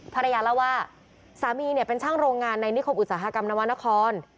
ภรรยาเล่าว่าสามีเนี่ยเป็นช่างโรงงานในนิคมอุตสาหกรรมนวรรณคร